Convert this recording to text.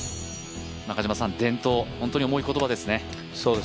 中嶋さん、伝統、本当に重い言葉ですね。